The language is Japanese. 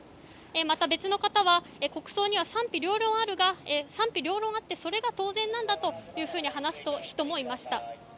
また、別の方は国葬には賛否両論あるが賛否両論あってそれが当然なんだと話す人もいました。